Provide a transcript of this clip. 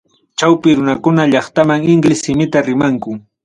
Chawpi runakuna llaqtamanta inglés simita rimanku.